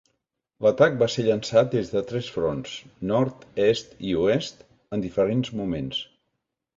L'atac va ser llançat des de tres fronts -nord, est i oest- en diferents moments.